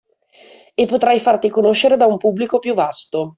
E potrai farti conoscere da un pubblico più vasto